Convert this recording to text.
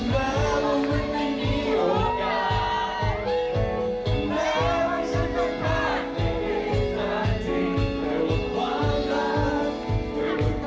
จะให้เธอจนกว่าเธอจะรัก